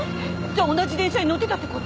じゃあ同じ電車に乗ってたって事？